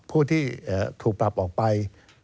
ผู้ที่ถูกปรับออกไป